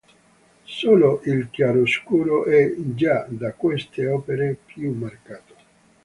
Solo il chiaroscuro è, già da queste opere, più marcato.